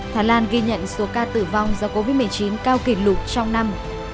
hà lan ghi nhận số ca tử vong do covid một mươi chín cao kỷ lục trong năm